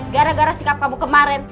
gara gara sikap kamu kemarin